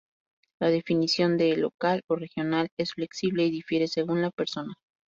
La definición de "local" o "regional" es flexible y difiere según la persona.